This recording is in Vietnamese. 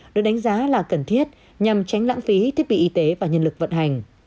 được đánh giá là cần thiết nhằm tránh lãng phí thiết bị y tế và nhân lực vận hành